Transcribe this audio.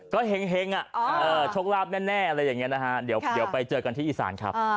ก็เห็งโชคลาภแน่อะไรอย่างนี้นะฮะเดี๋ยวไปเจอกันที่อีสานครับ